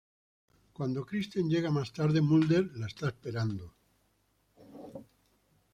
Cuando Kristen llega más tarde, Mulder la está esperando.